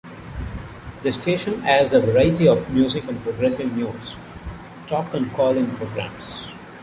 The station airs a variety of music and Progressive news, talk and call-in programs.